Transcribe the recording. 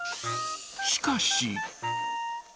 しかし。